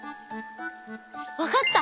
わかった！